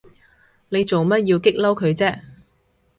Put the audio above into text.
你做乜要激嬲佢啫？